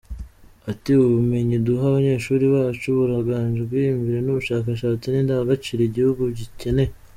Ati “Ubumenyi duha abanyeshuri bacu burangajwe imbere n’ubushakashatsi n’indangagaciro igihugu gikeneye,”